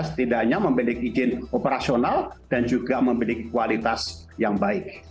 setidaknya memiliki izin operasional dan juga memiliki kualitas yang baik